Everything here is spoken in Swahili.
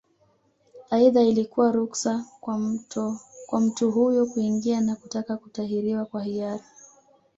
Aidha ilikuwa ruksa kwa mtu huyo kuingia na kutaka kutahiriwa kwa hiari